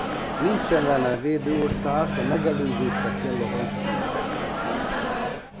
Nincs ellene védőoltás a megelőzésre kell a hangsúlyt fektetni.